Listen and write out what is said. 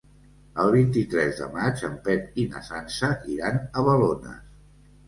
El vint-i-tres de maig en Pep i na Sança iran a Balones.